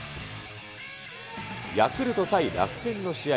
ヤクルト対楽天の試合。